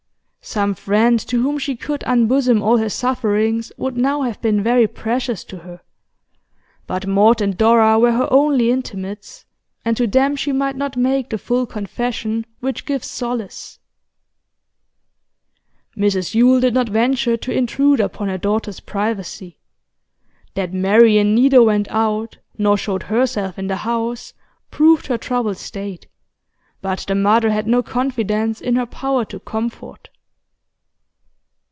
Some friend to whom she could unbosom all her sufferings would now have been very precious to her, but Maud and Dora were her only intimates, and to them she might not make the full confession which gives solace. Mrs Yule did not venture to intrude upon her daughter's privacy. That Marian neither went out nor showed herself in the house proved her troubled state, but the mother had no confidence in her power to comfort.